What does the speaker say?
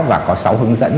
và có sáu hướng dẫn